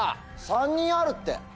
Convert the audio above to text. ３人あるって。